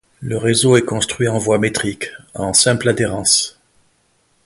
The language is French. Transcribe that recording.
Le réseau est construit en voie métrique, en simple adhérence.